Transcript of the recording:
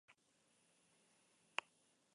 Horrez gain, ustelkeria kasuek zipriztindu zuten.